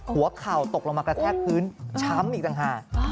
หัวเข่าตกลงมากระแทกพื้นช้ำอีกต่างหาก